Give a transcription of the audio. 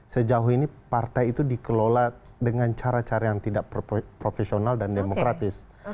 sejauh ini partai itu dikelola dengan cara cara yang tidak profesional dan demokratis